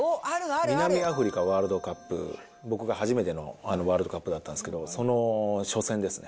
南アフリカワールドカップ、僕が初めてのワールドカップだったんですけど、その初戦ですね。